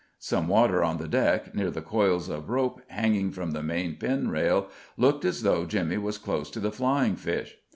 _" Some water on the deck, near the coils of rope hanging from the main pin rail, looked as though Jimmy was close to the flying fish.